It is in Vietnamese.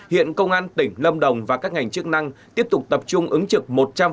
hiện công an tỉnh lâm đồng và các ngành chức năng tiếp tục tập trung ứng trực một trăm linh